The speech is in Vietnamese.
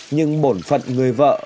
nhưng bổn phận người vợ